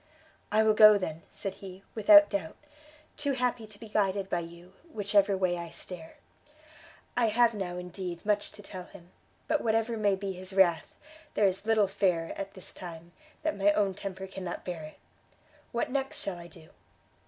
"I will go then," said he, "without doubt: too happy to be guided by you, which ever way I steer. I have now, indeed much to tell him; but whatever may be his wrath, there is little fear, at this time, that my own temper cannot bear it! what next shall I do?"